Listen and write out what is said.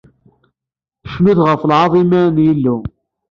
Cnut ɣef lɛaḍima n Yillu.